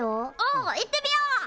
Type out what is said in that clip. お行ってみよう。